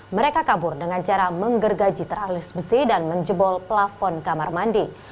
mereka kabur dengan cara menggergaji teralis besi dan menjebol plafon kamar mandi